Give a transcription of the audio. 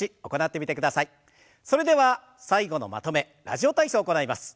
それでは最後のまとめ「ラジオ体操」を行います。